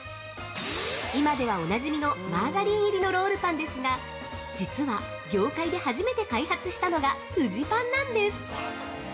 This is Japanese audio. ◆今ではおなじみのマーガリン入りのロールパンですが、実は、業界で初めて開発したのがフジパンなんです！